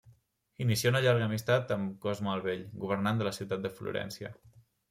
Inicià una llarga amistat amb Cosme el Vell, governant de la ciutat de Florència.